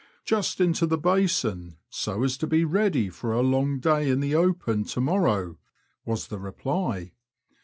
Just into the basin, so as to be ready for a long day in the open to morrow," was the reply.